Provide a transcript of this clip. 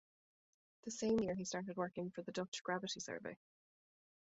The same year he started working for the Dutch gravity survey.